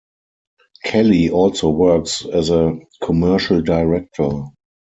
Kelly also works as a commercial director.